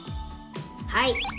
はい。